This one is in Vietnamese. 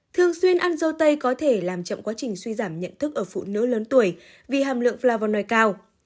thường xuyên ăn dâu tây có thể làm chậm quá trình suy giảm nhận thức ở phụ nữ lớn tuổi vì hàm lượng flavonoi cao